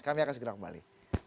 kami akan segera kembali